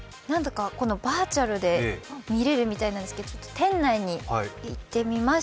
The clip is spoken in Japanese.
バーチャルで見れるみたいなんですけど店内に行ってみます。